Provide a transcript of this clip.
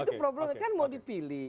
itu problemnya kan mau dipilih